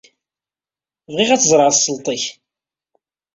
Bɣiɣ ad ẓreɣ tasleḍt-ik.